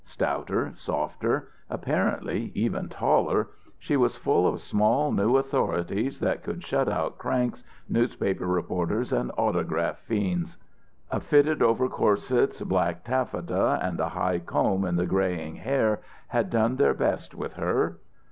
Stouter, softer, apparently even taller, she was full of small new authorities that could shut out cranks, newspaper reporters, and autograph fiends. A fitted over corsets black taffeta and a high comb in the greying hair had done their best with her.